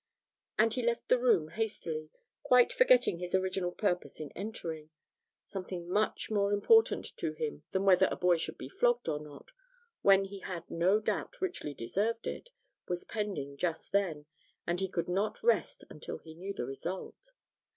And he left the room hastily, quite forgetting his original purpose in entering: something much more important to him than whether a boy should be flogged or not, when he had no doubt richly deserved it, was pending just then, and he could not rest until he knew the result.